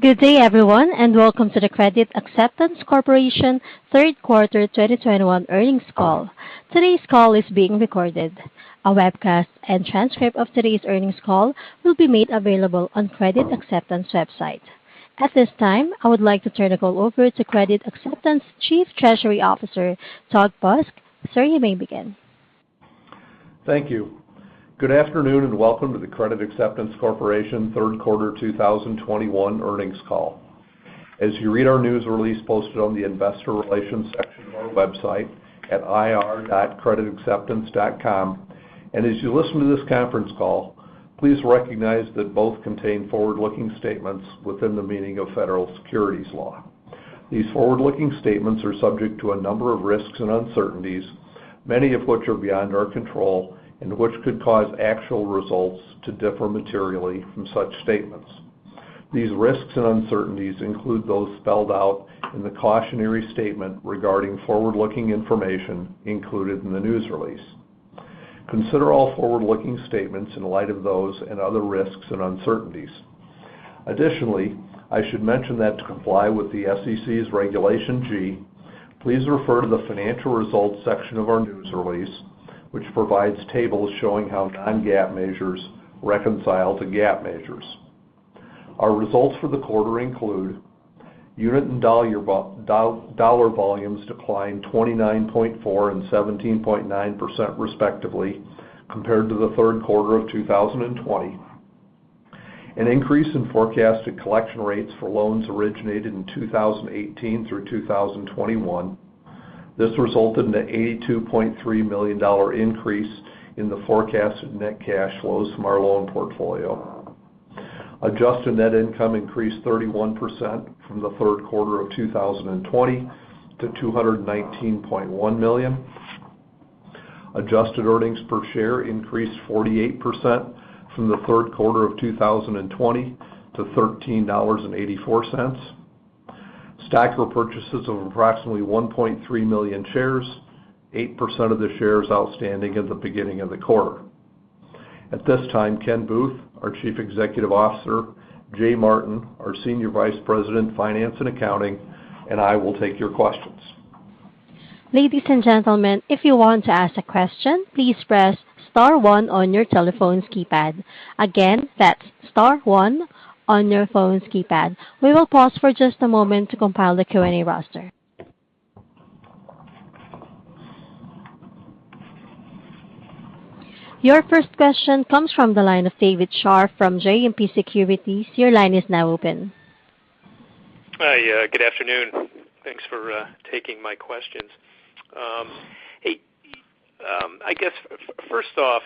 Good day, everyone, and welcome to the Credit Acceptance Corporation third quarter 2021 earnings call. Today's call is being recorded. A webcast and transcript of today's earnings call will be made available on Credit Acceptance website. At this time, I would like to turn the call over to Credit Acceptance Chief Treasury Officer, Doug Busk. Sir, you may begin. Thank you. Good afternoon, and welcome to the Credit Acceptance Corporation third quarter 2021 earnings call. As you read our news release posted on the investor relations section of our website at ir.creditacceptance.com, and as you listen to this conference call, please recognize that both contain forward-looking statements within the meaning of Federal Securities law. These forward-looking statements are subject to a number of risks and uncertainties, many of which are beyond our control and which could cause actual results to differ materially from such statements. These risks and uncertainties include those spelled out in the cautionary statement regarding forward-looking information included in the news release. Consider all forward-looking statements in light of those and other risks and uncertainties. Additionally, I should mention that to comply with the SEC's Regulation G, please refer to the Financial Results section of our news release, which provides tables showing how non-GAAP measures reconcile to GAAP measures. Our results for the quarter include unit and dollar volumes declined 29.4% and 17.9% respectively compared to the third quarter of 2020, an increase in forecasted collection rates for loans originated in 2018 through 2021. This resulted in an $82.3 million increase in the forecasted net cash flows from our loan portfolio. Adjusted net income increased 31% from the third quarter of 2020 to $219.1 million. Adjusted earnings per share increased 48% from the third quarter of 2020 to $13.84. Stock repurchases of approximately 1.3 million shares, 8% of the shares outstanding at the beginning of the quarter. At this time, Ken Booth, our Chief Executive Officer, Jay Martin, our Senior Vice President, Finance and Accounting, and I will take your questions. Ladies and gentlemen, if you want to ask a question, please press star one on your telephone's keypad. Again, that's star one on your phone's keypad. We will pause for just a moment to compile the Q&A roster. Your first question comes from the line of David Scharf from JMP Securities. Your line is now open. Hi. Good afternoon. Thanks for taking my questions. Hey, I guess first off,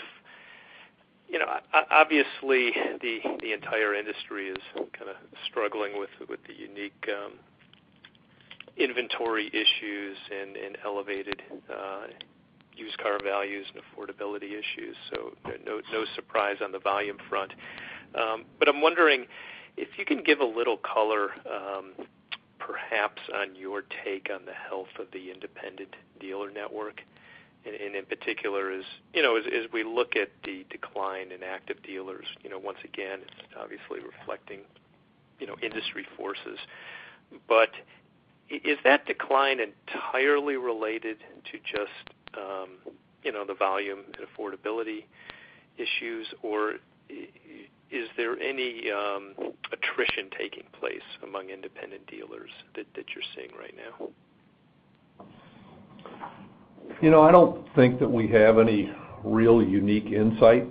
you know, obviously, the entire industry is kinda struggling with the unique inventory issues and elevated used car values and affordability issues, so no surprise on the volume front. I'm wondering if you can give a little color, perhaps, on your take on the health of the independent dealer network. In particular, you know, as we look at the decline in active dealers, you know, once again, obviously reflecting industry forces. Is that decline entirely related to just the volume and affordability issues, or is there any attrition taking place among independent dealers that you're seeing right now? You know, I don't think that we have any real unique insight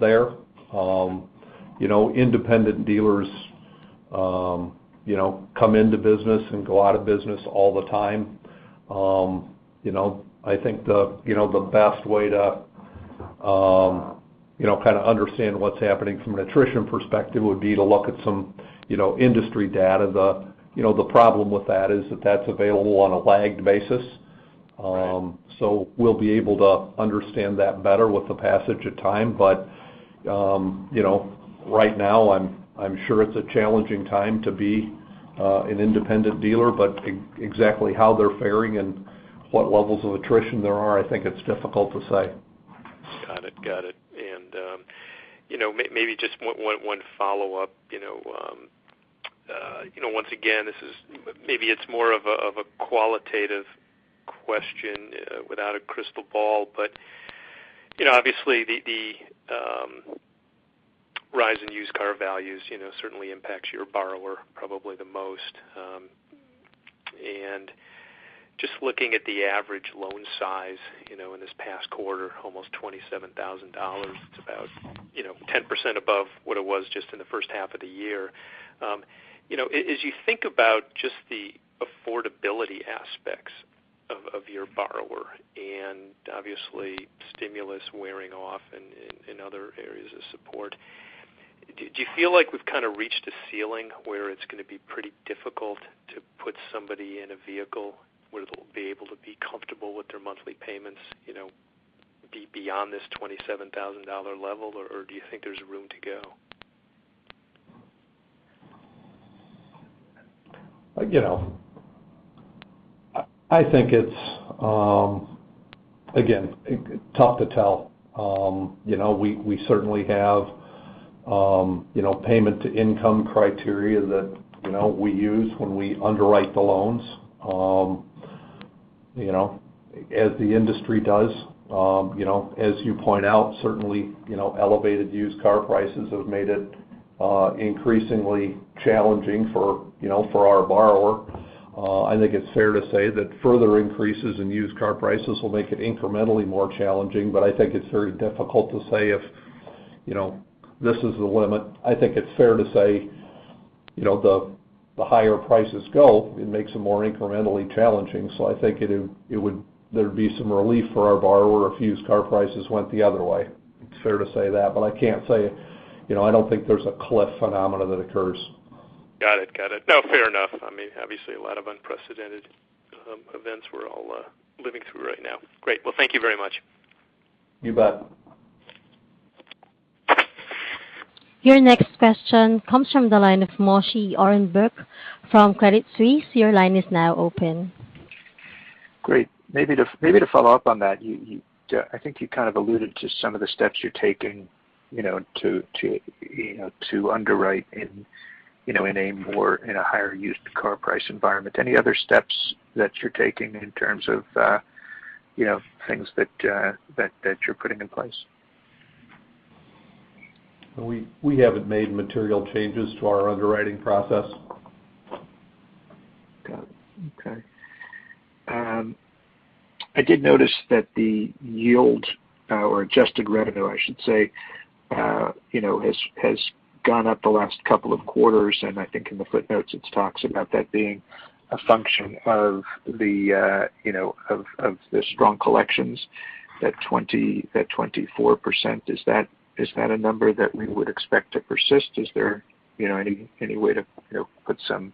there. You know, independent dealers you know come into business and go out of business all the time. You know, I think the best way to kinda understand what's happening from an attrition perspective would be to look at some industry data. The problem with that is that that's available on a lagged basis. Right. We'll be able to understand that better with the passage of time. You know, right now, I'm sure it's a challenging time to be an independent dealer. Exactly how they're faring and what levels of attrition there are, I think it's difficult to say. Got it. Maybe just one follow-up, you know. Once again, this is maybe more of a qualitative question without a crystal ball. You know, obviously, the rise in used car values, you know, certainly impacts your borrower probably the most. Just looking at the average loan size, you know, in this past quarter, almost $27,000. It's about, you know, 10% above what it was just in the first half of the year. As you think about just the affordability aspects of your borrower and obviously stimulus wearing off in other areas of support, do you feel like we've kind of reached a ceiling where it's gonna be pretty difficult to put somebody in a vehicle where they'll be able to be comfortable with their monthly payments, you know, beyond this $27,000 level, or do you think there's room to go? I think it's again tough to tell. You know, we certainly have you know, payment-to-income criteria that you know, we use when we underwrite the loans, you know, as the industry does. You know, as you point out, certainly you know, elevated used car prices have made it increasingly challenging for you know, for our borrower. I think it's fair to say that further increases in used car prices will make it incrementally more challenging. I think it's very difficult to say if you know, this is the limit. I think it's fair to say you know, the higher prices go, it makes it more incrementally challenging. I think there'd be some relief for our borrower if used car prices went the other way. It's fair to say that, but I can't say, you know, I don't think there's a cliff phenomenon that occurs. Got it. No, fair enough. I mean, obviously a lot of unprecedented events we're all living through right now. Great. Well, thank you very much. You bet. Your next question comes from the line of Moshe Orenbuch from Credit Suisse. Your line is now open. Great. Maybe to follow up on that. I think you kind of alluded to some of the steps you're taking, you know, to underwrite in a higher used car price environment. Any other steps that you're taking in terms of things that you're putting in place? We haven't made material changes to our underwriting process. Got it. Okay. I did notice that the yield or adjusted revenue, I should say, you know, has gone up the last couple of quarters. I think in the footnotes, it talks about that being a function of the, you know, of the strong collections, that 24%. Is that a number that we would expect to persist? Is there, you know, any way to, you know, put some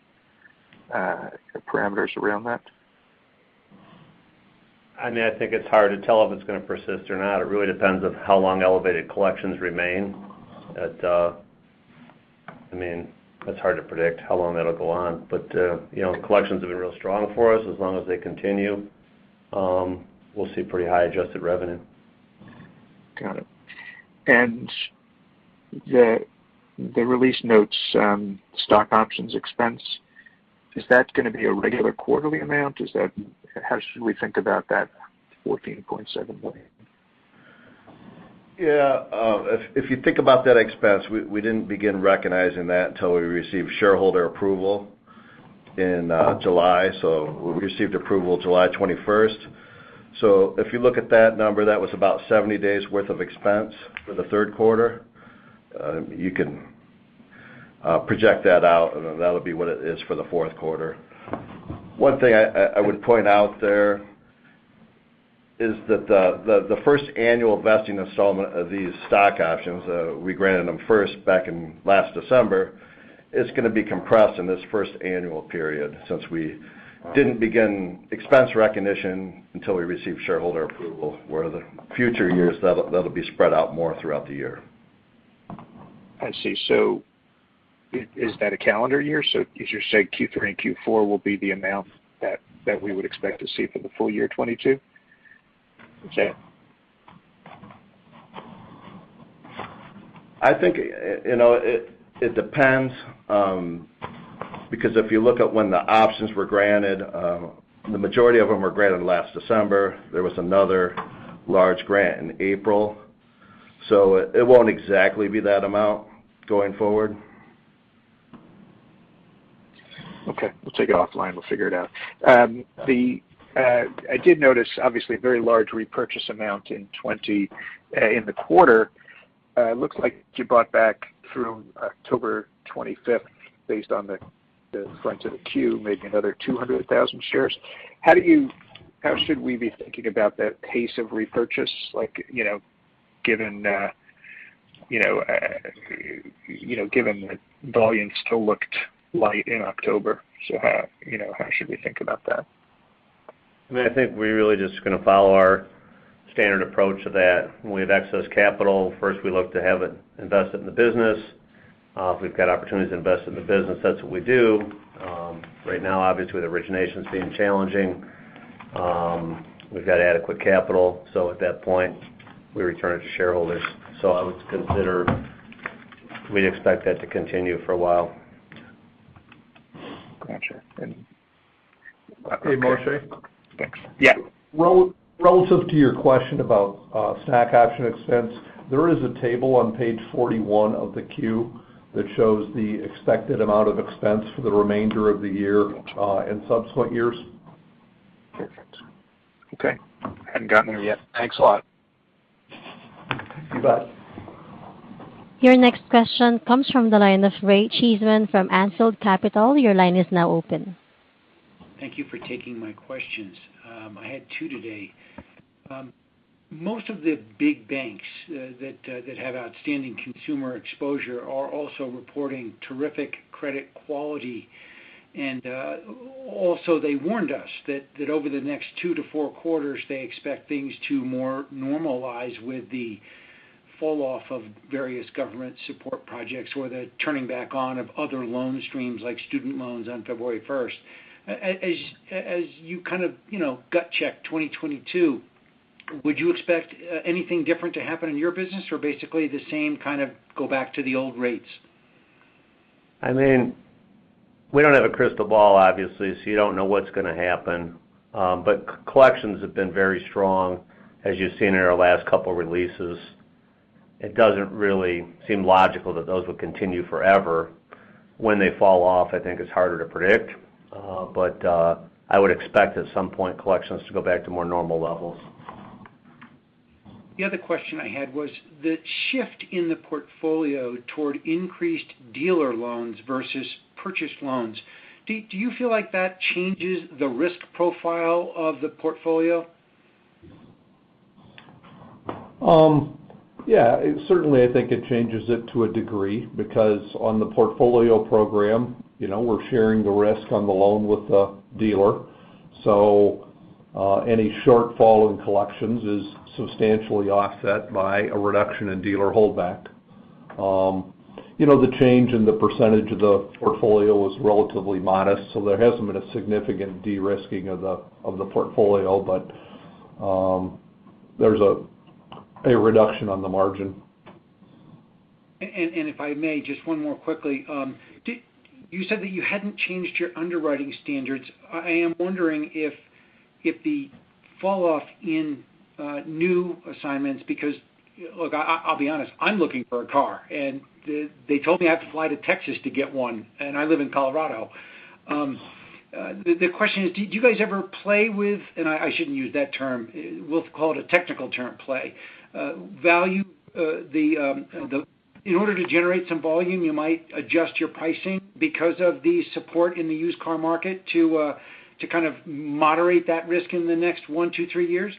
parameters around that? I mean, I think it's hard to tell if it's going to persist or not. It really depends on how long elevated collections remain. That, I mean, that's hard to predict how long that'll go on. But, you know, collections have been real strong for us. As long as they continue, we'll see pretty high adjusted revenue. Got it. The release notes, stock options expense, is that gonna be a regular quarterly amount? How should we think about that $14.7 million? Yeah. If you think about that expense, we didn't begin recognizing that until we received shareholder approval in July. We received approval July 21. If you look at that number, that was about 70 days worth of expense for the third quarter. You can project that out, and that'll be what it is for the fourth quarter. One thing I would point out there is that the first annual vesting installment of these stock options, we granted them first back in last December, is gonna be compressed in this first annual period since we didn't begin expense recognition until we received shareholder approval, where the future years that'll be spread out more throughout the year. I see. Is that a calendar year? You're saying Q3 and Q4 will be the amount that we would expect to see for the full year 2022? I think, you know, it depends, because if you look at when the options were granted, the majority of them were granted last December. There was another large grant in April. It won't exactly be that amount going forward. Okay. We'll take it offline. We'll figure it out. I did notice obviously a very large repurchase amount in the quarter. It looks like you bought back through October 25th based on the front of the, maybe another 200,000 shares. How should we be thinking about that pace of repurchase? Like, you know, given that volume still looked light in October. How, you know, should we think about that? I mean, I think we're really just gonna follow our standard approach to that. When we have excess capital, first, we look to have it invested in the business. If we've got opportunities to invest in the business, that's what we do. Right now, obviously, with originations being challenging, we've got adequate capital. At that point, we return it to shareholders. I would consider we'd expect that to continue for a while. Got you. Hey, Moshe? Yeah. Relative to your question about stock option expense, there is a table on page 41 of the Q that shows the expected amount of expense for the remainder of the year and subsequent years. Okay. Hadn't gotten there yet. Thanks a lot. You bet. Your next question comes from the line of Jordan Hymowitz from Philadelphia Financial Management of San Francisco. Your line is now open. Thank you for taking my questions. I had 2 today. Most of the big banks that have outstanding consumer exposure are also reporting terrific credit quality. Also, they warned us that over the next two to four quarters, they expect things to more normalize with the fall off of various government support projects or the turning back on of other loan streams like student loans on February 1. As you kind of, you know, gut check 2022, would you expect anything different to happen in your business or basically the same kind of go back to the old rates? I mean, we don't have a crystal ball, obviously, so you don't know what's gonna happen. Collections have been very strong, as you've seen in our last couple of releases. It doesn't really seem logical that those will continue forever. When they fall off, I think it's harder to predict, but I would expect at some point collections to go back to more normal levels. The other question I had was the shift in the portfolio toward increased dealer loans versus purchased loans. Do you feel like that changes the risk profile of the portfolio? Yeah, certainly, I think it changes it to a degree because on the Portfolio Program, you know, we're sharing the risk on the loan with the dealer. Any shortfall in collections is substantially offset by a reduction in dealer holdback. You know, the change in the percentage of the portfolio was relatively modest, so there hasn't been a significant de-risking of the portfolio, but there's a reduction on the margin. If I may, just one more quickly. You said that you hadn't changed your underwriting standards. I am wondering if the falloff in new assignments. Look, I'll be honest, I'm looking for a car, and they told me I have to fly to Texas to get one, and I live in Colorado. The question is, do you guys ever play with, and I shouldn't use that term. We'll call it a technical term, play value, in order to generate some volume, you might adjust your pricing because of the support in the used car market to kind of moderate that risk in the next one, two, three years?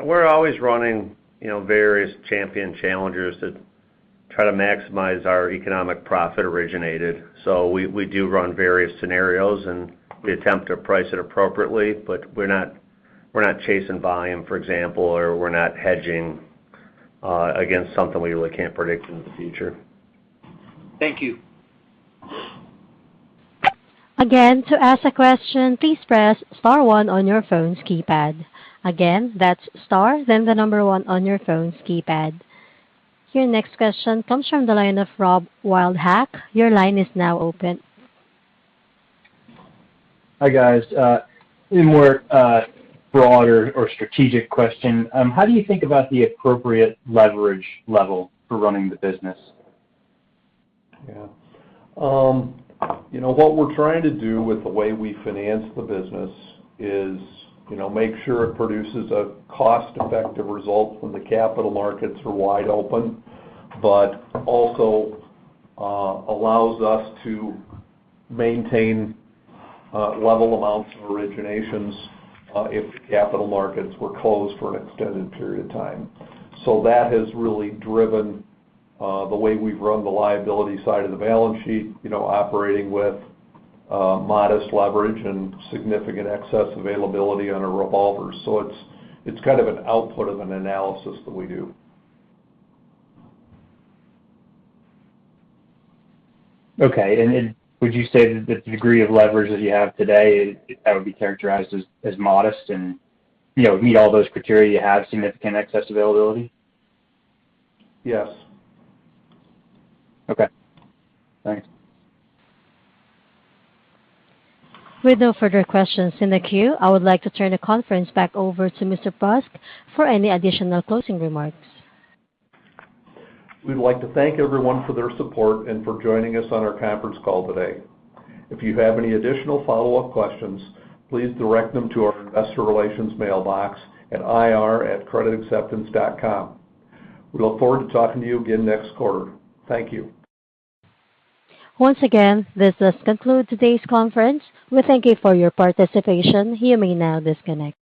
We're always running, you know, various champion challengers that try to maximize our economic profit originated. We do run various scenarios, and we attempt to price it appropriately, but we're not chasing volume, for example, or we're not hedging against something we really can't predict in the future. Thank you. Your next question comes from the line of Rob Wildhack. Your line is now open. Hi, guys. A broader, more strategic question, how do you think about the appropriate leverage level for running the business? Yeah. You know, what we're trying to do with the way we finance the business is, you know, make sure it produces a cost-effective result when the capital markets are wide open, but also allows us to maintain level amounts of originations if capital markets were closed for an extended period of time. That has really driven the way we've run the liability side of the balance sheet, you know, operating with modest leverage and significant excess availability on our revolvers. It's kind of an output of an analysis that we do. Okay. Would you say that the degree of leverage that you have today, that would be characterized as modest and, you know, meet all those criteria you have, significant excess availability? Yes. Okay. Thanks. With no further questions in the queue, I would like to turn the conference back over to Mr. Busk for any additional closing remarks. We'd like to thank everyone for their support and for joining us on our conference call today. If you have any additional follow-up questions, please direct them to our investor relations mailbox at ir@creditacceptance.com. We look forward to talking to you again next quarter. Thank you. Once again, this does conclude today's conference. We thank you for your participation. You may now disconnect.